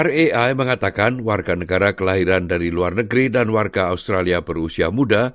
rai mengatakan warga negara kelahiran dari luar negeri dan warga australia berusia muda